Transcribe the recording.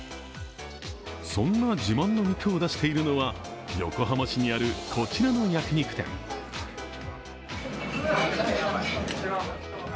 そんな自慢の肉を出しているのは、横浜市にあるこちらの焼肉店。